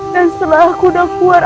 dan setelah aku udah keluar